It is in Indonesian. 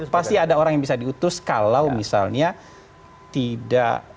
pasti ada orang yang bisa diutus kalau misalnya tidak